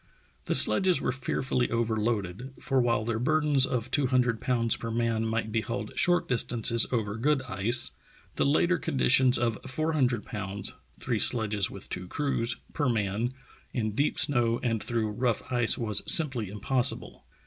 The sledges were fearfully overloaded, for while their burdens of two hundred pounds per man might be hauled short distances over good ice, the later conditions of four hundred pounds (three sledges with two crews) per man, in deep snow and through rough ice, was simply impossible.